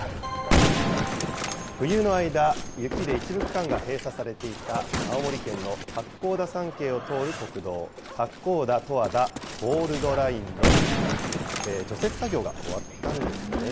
冬の間、雪で一部区間が閉鎖されていた青森県の八甲田山系を通る国道、八甲田・十和田ゴールドラインの除雪作業が終わったんですね。